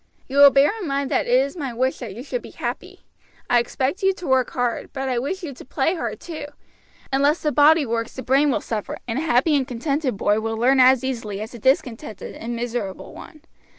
"You will bear in mind that it is my wish that you should be happy. I expect you to work hard, but I wish you to play hard too. Unless the body works the brain will suffer, and a happy and contented boy will learn as easily again as a discontented, and miserable one.